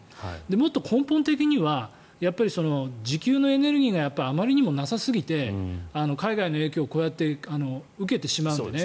もっと根本的には自給のエネルギーがあまりにもなさすぎて海外の影響をこうやって受けてしまうのでね。